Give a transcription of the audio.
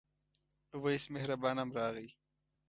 وېس مهربان هم راغی.